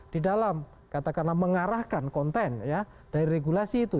di dalam katakanlah mengarahkan konten ya dari regulasi itu